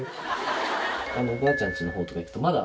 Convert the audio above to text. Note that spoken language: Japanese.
おばあちゃんちの方とか行くとまだ。